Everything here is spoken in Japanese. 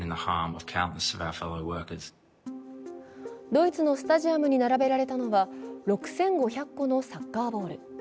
ドイツのスタジアムに並べられたのは６５００個のサッカーボール。